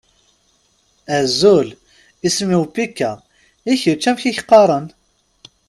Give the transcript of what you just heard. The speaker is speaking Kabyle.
Azul! Isem-iw Pecca. I kečč amek i ak-qqaṛen?